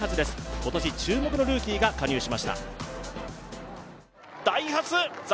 今年注目のルーキーが加入しました。